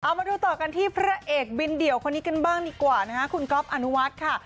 เอามาดูต่อกันที่พระเอกบินเดี่ยวคนนี้กันบ้างดีกว่านะคะคุณก๊อฟอนุวัฒน์ค่ะ